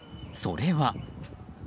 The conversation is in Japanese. それは。